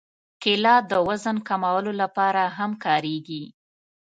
کېله د وزن کمولو لپاره هم کارېږي.